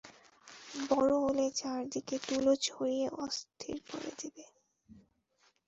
বড়ো হলে চার দিকে তুলো ছড়িয়ে অস্থির করে দেবে।